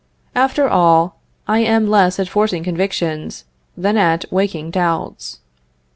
After all, I am less at forcing convictions, than at waking doubts.